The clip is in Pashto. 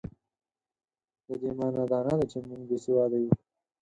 د دې مانا دا نه ده چې موږ بې سواده یو.